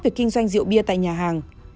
về kinh doanh rượu bia tại nhà hàng